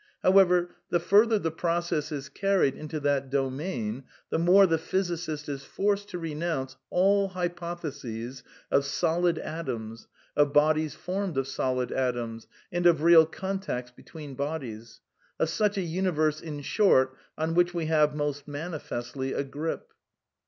' However, the further the process is carried into that domain, the more the physicist is forced to renounce all hypotheses of solid atoms, of bodies formed of solid atoms, and of real contacts between bodies — of such a universe, in short, on which we have " most manifestly a grip."